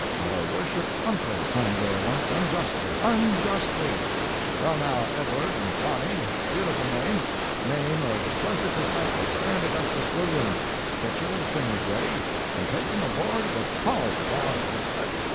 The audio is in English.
Had a worshipped uncle hung there once unjustly—unjustly. Well now, Edward and Johnny—beautiful name—name of blessed disciple and Augustus William—get your little things ready, and take 'em aboard the 'Polly,' down at the slip.